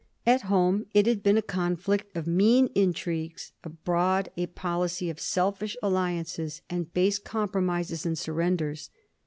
At home it had been a conflict of mean intrigues ; abroad, a policy of selfish alliances and base compromises and surrenders.